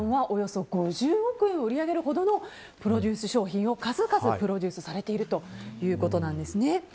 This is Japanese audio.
およそ５０億円を売り上げるほどのプロデュース商品を数々プロデュースされているということなんです。